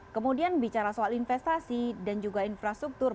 kemudian bicara soal investasi dan juga infrastruktur